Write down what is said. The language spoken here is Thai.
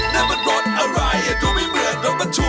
นั่นมันรถอะไรก็ไม่เหมือนรถบรรทุก